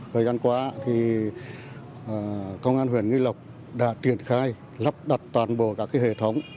thời gian qua công an huyện nghi lộc đã triển khai lắp đặt toàn bộ các hệ thống